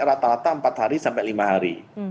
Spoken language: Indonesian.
rata rata empat hari sampai lima hari